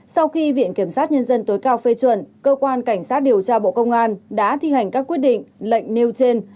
sau khi viện kiểm sát nhân dân tối cao phê chuẩn cơ quan cảnh sát điều tra bộ công an đã thi hành các quyết định lệnh nêu trên